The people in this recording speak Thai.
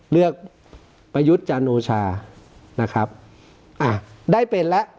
เลือกประยุทธ์จันโอชานะครับอ่ะได้เป็นแล้ว